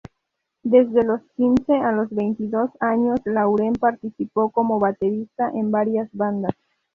Desde los quince a los veintidós años Lauren participó como baterista en varias bandas.